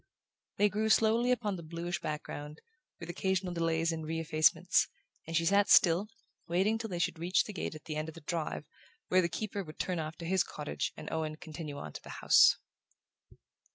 They grew slowly upon the bluish background, with occasional delays and re effacements, and she sat still, waiting till they should reach the gate at the end of the drive, where the keeper would turn off to his cottage and Owen continue on to the house.